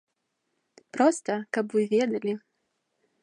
Проста, каб вы ведалі.